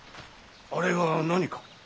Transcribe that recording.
あれが何か？